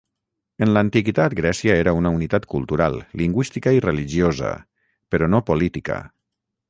En l'antiguitat Grècia era una unitat cultural, lingüística i religiosa, però no política.